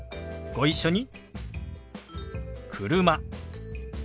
ご一緒に。